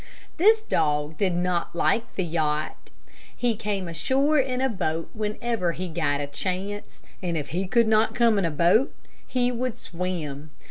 This dog did not like the yacht. He came ashore in a boat whenever he got a chance, and if he could not come in a boat, he would swim.